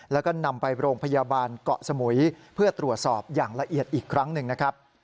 แล้วก็นำไปโรงพยาบาลเกาะสมุยเพื่อตรวจสอบอย่างละเอียดอีกครั้งหนึ่งนะครับ